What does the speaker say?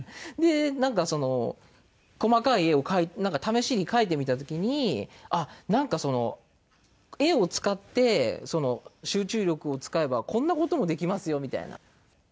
でなんかその細かい絵を試しに描いてみた時にあっなんかその絵を使って集中力を使えばこんな事もできますよみたいな。